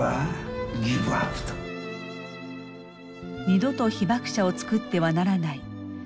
二度と被爆者を作ってはならない。